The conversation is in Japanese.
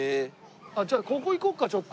じゃあここ行こうかちょっと。